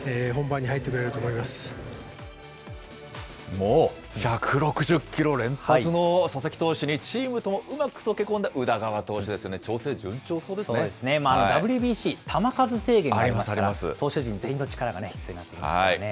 もう、１６０キロ連発の佐々木投手に、チームともうまく溶け込んだ宇田川投手ですよね、調整、順調そうＷＢＣ、球数制限がありますから、投手陣全員の力が必要になってきますからね。